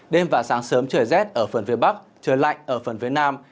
đêm và sáng sớm trời rét ở phần phía bắc trời lạnh ở phần phía nam